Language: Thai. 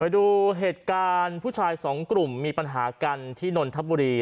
ดูเหตุการณ์ผู้ชายสองกลุ่มมีปัญหากันที่นนทบุรี